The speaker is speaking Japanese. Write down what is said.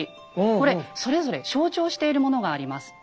これそれぞれ象徴しているものがあります。